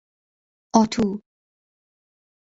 اتو